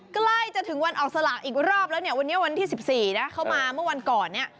ใกล้จะถึงวันออกสลากอีกรอบแล้วเนี่ยวันนี้วันที่๑๔นะเข้ามาเมื่อวันก่อนเนี่ย